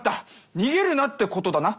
逃げるなってことだな？